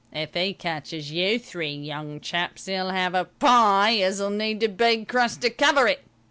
If 'e catches you three young chaps 'e'll 'ave a pie as'll need a big crust to cover it.